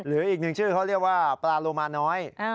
หรืออีกหนึ่งชื่อเขาเรียกว่าปลาโลมาน้อย